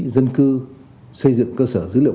dân cư xây dựng cơ sở dữ liệu